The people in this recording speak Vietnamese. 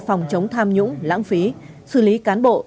phòng chống tham nhũng lãng phí xử lý cán bộ